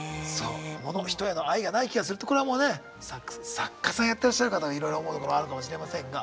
「物人への愛がない気がする」ってこれはもうね作家さんやってらっしゃる方はいろいろ思うところあるかもしれませんが。